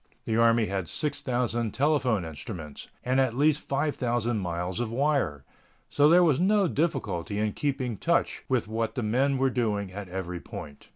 The army had 6,000 telephone instruments, and at least 5,000 miles of wire, so there was no difficulty in keeping in touch with what the men were doing at every point.